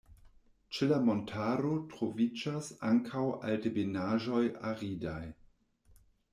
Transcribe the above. Ĉe la montaro troviĝas ankaŭ altebenaĵoj aridaj.